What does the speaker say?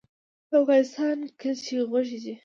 د افغانستان کلچې خوږې دي